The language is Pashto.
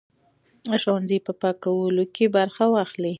د ښوونځي په پاکوالي کې برخه واخلئ.